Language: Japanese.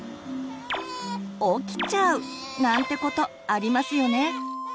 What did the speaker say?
起きちゃう！なんてことありますよね。